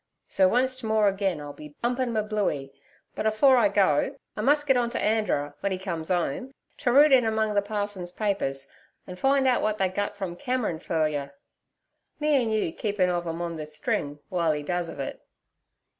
So onct more agen I'll be 'umpin' me Bluey, but afore I go I mus' get on to Andrer w'en 'e comes 'ome t' root in among ther parson's papers, an' fine out wut they gut from Cameron fer you; me an' you keepin' ov 'em on ther string w'ile 'e does ov it.'